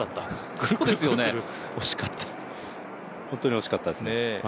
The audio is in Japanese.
本当に惜しかったですね。